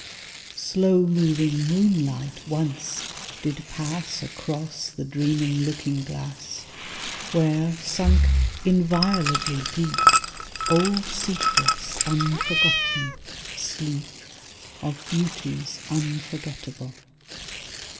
Slow moving moonlight once did pass Across the dreaming looking glass, Where, sunk inviolably deep, Old secrets unforgotten sleep Of beauties unforgettable.